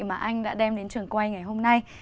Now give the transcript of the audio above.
mà anh đã đem đến trường quay ngày hôm nay